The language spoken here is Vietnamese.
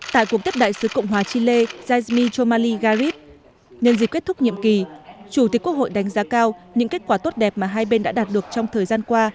tại cuộc tiếp đại sứ cộng hòa chile yasmir chomali garib nền dịp kết thúc nhiệm kỳ chủ tịch quốc hội đánh giá cao những kết quả tốt đẹp mà hai bên đã đạt được trong thời gian qua